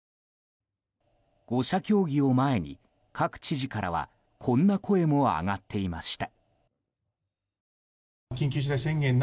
５者協議を前に、各知事からはこんな声も上がっていました。